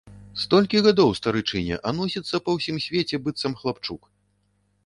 Столькі гадоў старычыне, а носіцца па ўсім свеце, быццам хлапчук!